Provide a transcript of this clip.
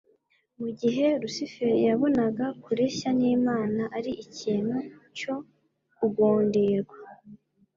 Mu gihe Lusiferi yabonaga kureshya n'Imana ari ikintu cyo kugundirwa,